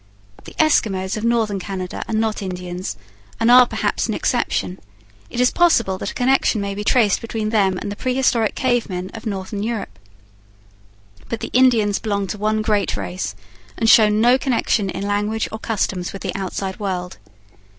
The Eskimos of Northern Canada are not Indians, and are perhaps an exception; it is possible that a connection may be traced between them and the prehistoric cave men of Northern Europe. But the Indians belong to one great race, and show no connection in language or customs with the outside world.